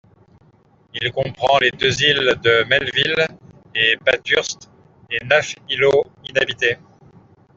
Il comprend les deux îles de Melville et Bathurst et neuf îlots inhabités.